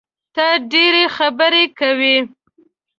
ته ډېري خبري کوې!